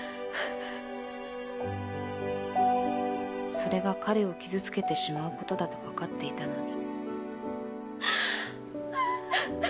それが彼を傷つけてしまう事だとわかっていたのに